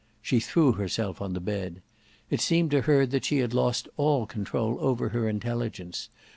She threw herself on the bed. It seemed to her that she had lost all control over her intelligence.